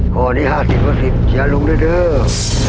ข้อนี้๕๐ประสิทธิ์เชียวลุงด้วยเถอะ